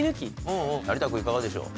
成田君いかがでしょう？